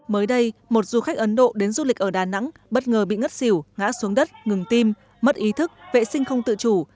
mới đây một du khách ấn độ đến du lịch ở đà nẵng bất ngờ bị ngất xỉu ngã xuống đất ngừng tim mất ý thức vệ sinh không tự chủ